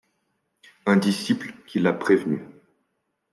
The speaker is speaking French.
Un disciple qui l'a prévenu.